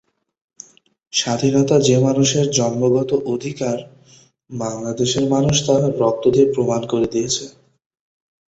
স্বাধীনতা যে মানুষের জন্মগত অধিকার, বাংলাদেশের মানুষ তা রক্ত দিয়ে প্রমাণ করে দিয়েছে।